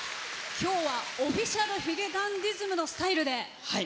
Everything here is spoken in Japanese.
今日はＯｆｆｉｃｉａｌ髭男ｄｉｓｍのスタイルで。